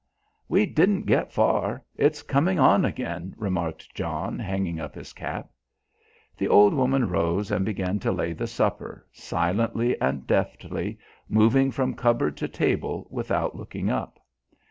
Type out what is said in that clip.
"We didn't get far. It's coming on again," remarked John, hanging up his cap. The old woman rose and began to lay the supper, silently and deftly, moving from cupboard to table without looking up.